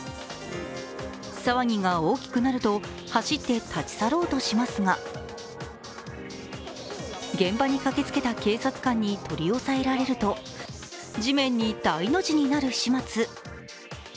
騒ぎが大きくなると走って立ち去ろうとしますが現場に駆けつけた警察官に取り押さえられると地面に大の字になる始末。